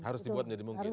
harus dibuat menjadi mungkin